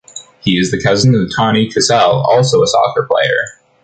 He is the cousin of Tonnie Cusell, also a soccer player.